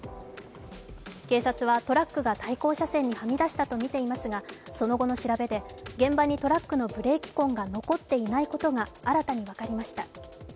警察は、トラックが対向車線にはみ出したとみていますが、その後の調べで、現場にトラックのブレーキ痕が残っていないことが新たに分かりました。